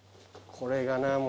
これがな